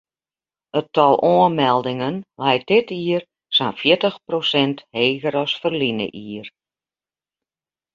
It tal oanmeldingen leit dit jier sa'n fjirtich prosint heger as ferline jier.